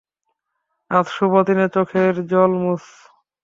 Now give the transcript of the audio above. আজ শুভ দিনে চোখের জল মােছ!